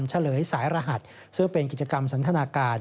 เฉลยสายรหัสซึ่งเป็นกิจกรรมสันทนาการ